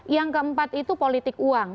yang keempat itu politik uang